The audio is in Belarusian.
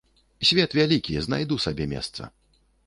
Свет вялікі, знайду сабе месца.